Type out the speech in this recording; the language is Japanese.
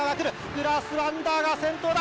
「グラスワンダーが先頭だ！」